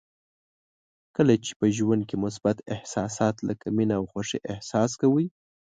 کله چې په ژوند کې مثبت احساسات لکه مینه او خوښي احساس کوئ.